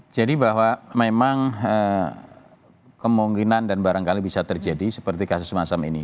jadi bahwa memang kemungkinan dan barangkali bisa terjadi seperti kasus masam ini